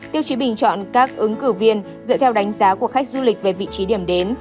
tiêu chí bình chọn các ứng cử viên dựa theo đánh giá của khách du lịch về vị trí điểm đến